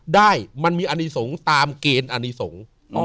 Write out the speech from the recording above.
ได้มันมีอนิสงฆ์ตามเกณฑ์อนิสงฆ์